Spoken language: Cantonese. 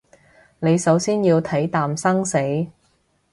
你首先要睇淡生死